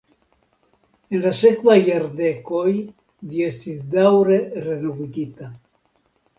En la sekvaj jardekoj ĝi estis daŭre renovigita.